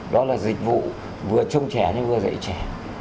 đó là dịch vụ vừa trông trẻ nhưng vừa dạy trẻ